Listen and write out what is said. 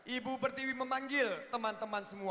ibu pertiwi memanggil teman teman semua